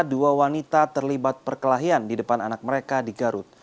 dua wanita terlibat perkelahian di depan anak mereka di garut